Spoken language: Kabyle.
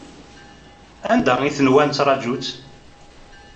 Anda i tenwa nettṛaju-tt?